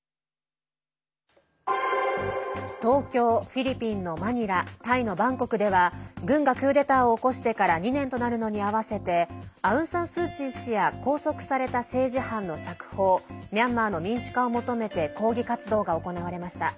東京、フィリピンのマニラタイのバンコクでは軍がクーデターを起こしてから２年となるのにあわせてアウン・サン・スー・チー氏や拘束された政治犯の釈放ミャンマーの民主化を求めて抗議活動が行われました。